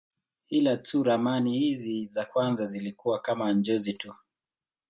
Ila tu ramani hizi za kwanza zilikuwa kama njozi tu.